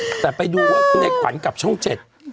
แต่ไปดูว่าคุณไอ้ขวัญกับช่องเจ็ด